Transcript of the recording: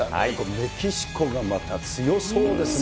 メキシコがまた強そうですね。